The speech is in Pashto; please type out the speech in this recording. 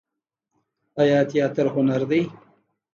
آیا تیاتر هنر دی؟